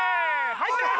入った？